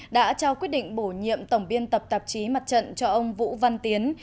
đã trao quyết định bổ nhiệm tổng biên tập tạp chí mặt trận cho ông vũ văn tiến